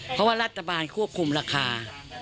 เพราะว่ารัฐบาลควบคุมราคา